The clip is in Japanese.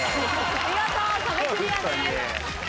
見事壁クリアです。